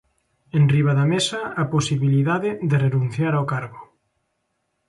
Enriba da mesa, a posibilidade de renunciar ao cargo.